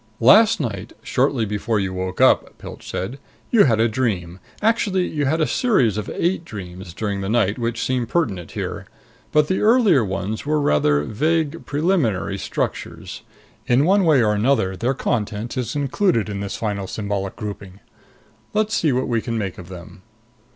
"Last night, shortly before you woke up," Pilch said, "you had a dream. Actually you had a series of eight dreams during the night which seem pertinent here. But the earlier ones were rather vague preliminary structures. In one way and another, their content is included in this final symbol grouping. Let's see what we can make of them."